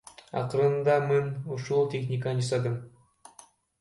Акырында мын ушул техниканы жасадым.